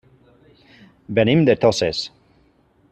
Venim de Toses.